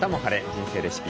人生レシピ」。